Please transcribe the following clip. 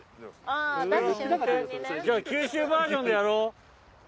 じゃあ九州バージョンでやろう。